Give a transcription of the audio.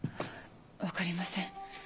分かりません。